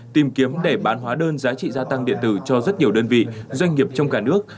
tìm kiếm để bán hóa đơn giá trị gia tăng điện tử cho rất nhiều đơn vị doanh nghiệp trong cả nước